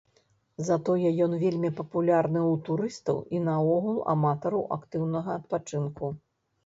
Затое ён вельмі папулярны ў турыстаў і наогул аматараў актыўнага адпачынку.